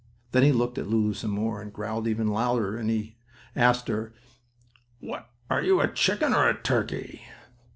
Then he looked at Lulu some more, and growled even louder, and he asked her: "What are you, a chicken or a turkey?"